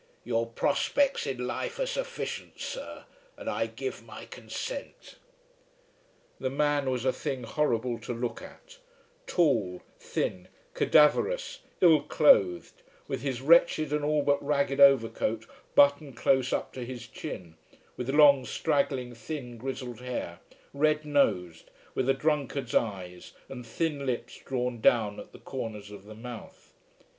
Your prospects in life are sufficient, sir, and I give my consent." The man was a thing horrible to look at, tall, thin, cadaverous, ill clothed, with his wretched and all but ragged overcoat buttoned close up to his chin, with long straggling thin grizzled hair, red nosed, with a drunkard's eyes, and thin lips drawn down at the corners of the mouth.